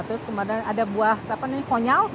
terus kemudian ada buah ponyal